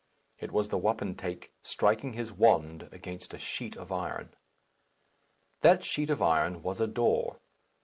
It was the wapentake striking his wand against a sheet of iron. That sheet of iron was a door.